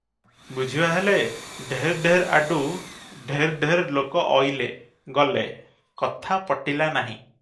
ବୁଝିବାହେଲେ, ଢେର ଢେର ଆଡୁ ଢେର ଢେର ଲୋକ ଅଇଲେ- ଗଲେ, କଥା ପଟିଲା ନାହିଁ ।